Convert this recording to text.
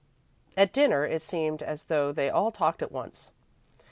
At dinner, it seemed as though they all talked at once.